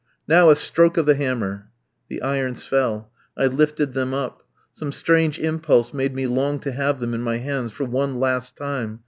Now, a stroke of the hammer!" The irons fell. I lifted them up. Some strange impulse made me long to have them in my hands for one last time.